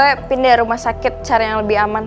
iya gue pindah rumah sakit cari yang lebih aman